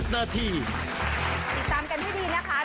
ติดตามกันให้ดีนะคะ